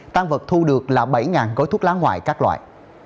tăng vật thu được là bảy gói thuốc lá ngoại các loại